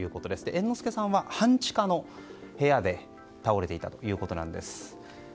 猿之助さんは半地下の部屋で倒れていたということなんです。